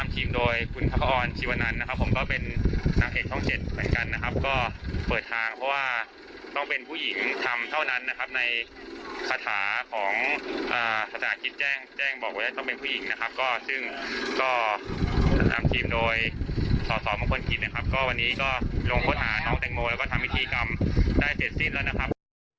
ก็วันนี้ลงพนธาน้องแต่งโมแล้วก็ทำพิธีกรรมได้เสร็จจิ้นแล้วนะครับ